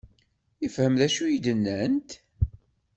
Yefhem d acu i d-nnant?